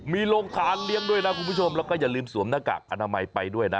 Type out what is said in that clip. มีโรงทานเลี้ยงด้วยนะคุณผู้ชมแล้วก็อย่าลืมสวมหน้ากากอนามัยไปด้วยนะ